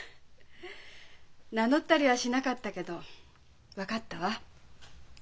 名乗ったりはしなかったけど分かったわ。